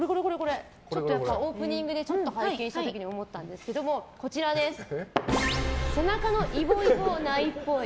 オープニングで拝見した時に思ったんですけど背中のイボイボないっぽい。